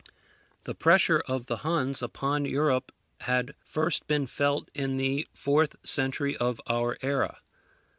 The pressure of the Huns upon Europe had first been felt in the fourth century of our era.